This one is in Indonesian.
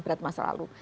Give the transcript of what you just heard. berat masa lalu